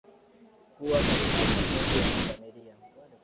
kuwa katika makundi la kifamilia